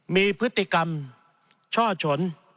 มีพฤติกรรมช่อฉน